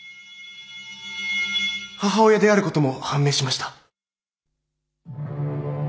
母親であることも判明しました。